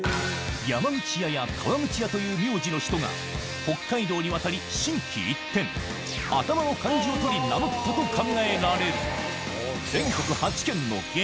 山口屋や川口屋という名字の人が北海道に渡り心機一転頭の漢字を取り名乗ったと考えられる激